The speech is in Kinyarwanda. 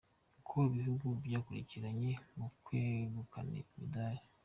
Uko ibihugu byakurikiranye mu kwegukana imidari.